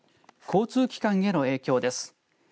交通機関への影響です。